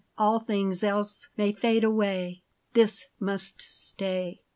All things else may fade away, This must stay.